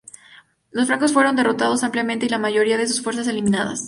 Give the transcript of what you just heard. Los francos fueron derrotados ampliamente y la mayoría de sus fuerzas eliminadas.